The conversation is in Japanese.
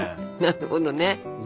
なるほどね。